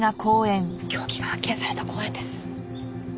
凶器が発見された公園です。